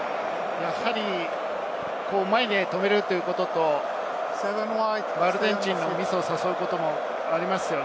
やはり前で止めるということと、アルゼンチンのミスを誘うこと。